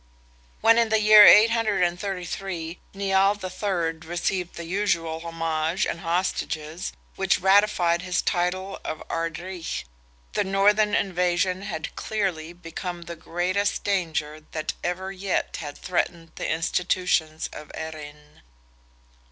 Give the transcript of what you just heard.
When, in the year 833, Nial III. received the usual homage and hostages, which ratified his title of Ard Righ, the northern invasion had clearly become the greatest danger that ever yet had threatened the institutions of Erin.